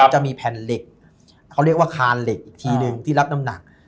จะมีแผ่นเหล็กเขาเรียกว่าคานเหล็กอีกทีหนึ่งที่รับน้ำหนัก